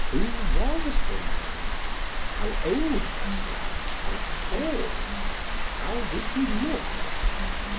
Who was the man? How old was he? How tall? How did he look?